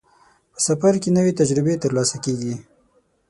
په سفر کې نوې تجربې ترلاسه کېږي.